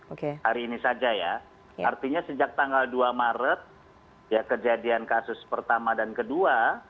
oke hari ini saja ya artinya sejak tanggal dua maret ya kejadian kasus pertama dan kedua